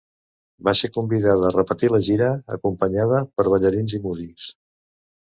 Va ser convidada a repetir la gira, acompanyada per ballarins i músics.